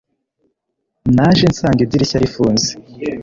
naje nsanga idirishya rifunze